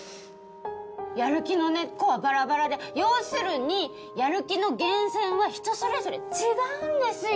やる気の根っこはバラバラで要するにやる気の源泉は人それぞれ違うんですよ